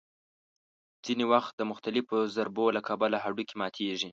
ځینې وخت د مختلفو ضربو له کبله هډوکي ماتېږي.